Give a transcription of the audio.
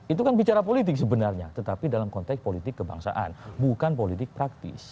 itu kan bicara politik sebenarnya tetapi dalam konteks politik kebangsaan bukan politik praktis